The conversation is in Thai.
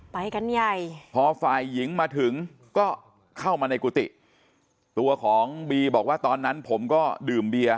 ไปกันใหญ่พอฝ่ายหญิงมาถึงก็เข้ามาในกุฏิตัวของบีบอกว่าตอนนั้นผมก็ดื่มเบียร์